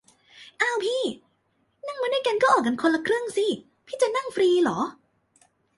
อ้าวพี่ นั่งมาด้วยกันก็ออกคนละครึ่งสิ พี่จะนั่งฟรีหรอ ?